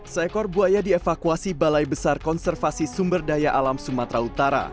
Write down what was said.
seekor buaya dievakuasi balai besar konservasi sumber daya alam sumatera utara